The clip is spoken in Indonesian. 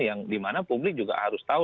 yang dimana publik juga harus tahu